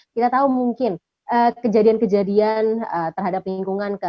kita tahu mungkin kejadian kejadian terhadap lingkungan